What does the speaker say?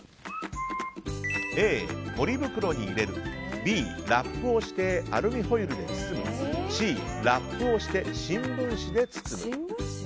Ａ、ポリ袋に入れるＢ、ラップをしてアルミホイルで包むＣ、ラップをして新聞紙で包む。